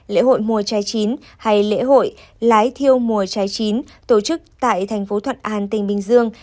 lễ hội mùa trái chín hay lễ hội lái thiêu mùa trái chín tổ chức tại thành phố thuận an tỉnh bình dương